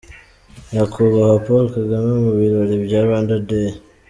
Nyakubahwa Paul Kagame mu birori bya Rwanda Day.